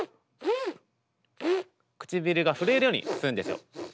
唇が震えるように吸うんですよ。